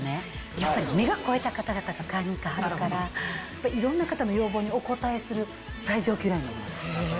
やっぱり目が肥えた方々が買いに行かはるからいろんな方の要望にお応えする最上級ラインのものです。